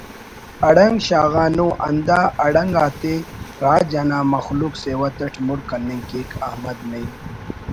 اڑنگ شاغانو ہندا اڑنگ آتے راج انا مخلوق سیوت اٹ مُر کننگ کیک احمد نعیم